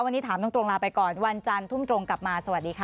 วันนี้ถามตรงลาไปก่อนวันจันทร์ทุ่มตรงกลับมาสวัสดีค่ะ